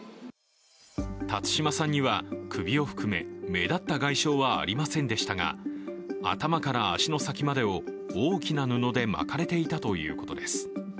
辰島さんには首を含め、目立った外傷はありませんでしたが、頭から足の先までを大きな布で巻かれていたということです。